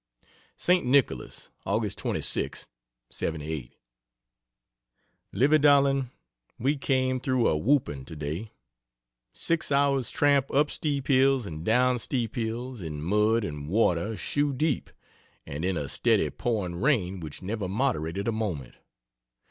ST. NICHOLAS, Aug. 26th, '78. Livy darling, we came through a whooping today, 6 hours tramp up steep hills and down steep hills, in mud and water shoe deep, and in a steady pouring rain which never moderated a moment.